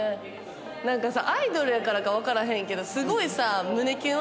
なんかさアイドルやからかわからへんけどすごいさ。